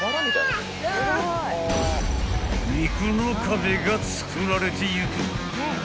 ［肉の壁が作られていく］